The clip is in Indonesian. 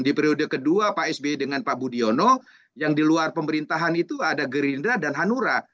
di periode kedua pak sby dengan pak budiono yang di luar pemerintahan itu ada gerindra dan hanura